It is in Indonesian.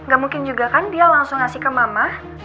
gak mungkin juga kan dia langsung ngasih ke mama